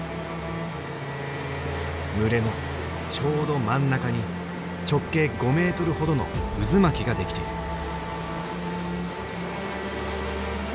群れのちょうど真ん中に直径５メートルほどの渦巻きが出来ている。